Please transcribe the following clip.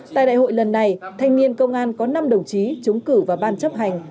tại đại hội lần này thanh niên công an có năm đồng chí trúng cử vào ban chấp hành